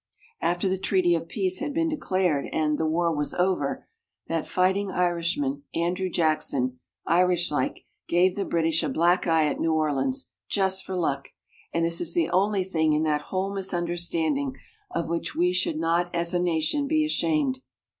After the treaty of peace had been declared and "the war was over," that fighting Irishman, Andrew Jackson, Irishlike, gave the British a black eye at New Orleans, just for luck, and this is the only thing in that whole misunderstanding of which we should not as a nation be ashamed.